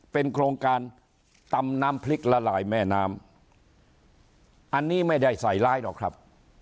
เป็นโครงการตำน้ำพริกละลายแม่น้ำอันนี้ไม่ได้ใส่ร้ายหรอกครับ